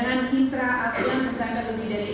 akan merupakan peluang besar bagi indonesia